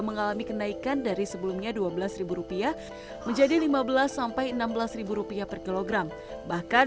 mengalami kenaikan dari sebelumnya dua belas rupiah menjadi lima belas sampai enam belas rupiah per kilogram bahkan